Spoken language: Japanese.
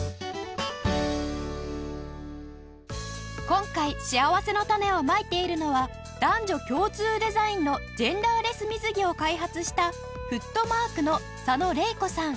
今回しあわせのたねをまいているのは男女共通デザインのジェンダーレス水着を開発したフットマークの佐野玲子さん